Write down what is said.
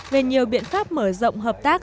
về nhiều biện pháp mở rộng hợp tác